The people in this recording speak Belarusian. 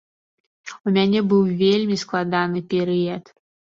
У мяне быў вельмі складаны перыяд.